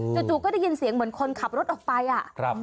จู่ก็ได้ยินเสียงเหมือนคนขับรถออกไปอ่ะ